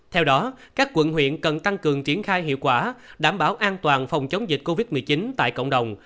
theo đó các quận huyện cần tăng cường triển khai hiệu quả đảm bảo an toàn phòng chống dịch covid một mươi chín tại cộng đồng